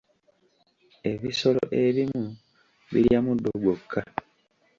Ebisolo ebimu birya muddo gwokka